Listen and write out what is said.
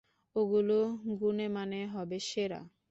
ওগুলো গুনেমানে হবে সেরা!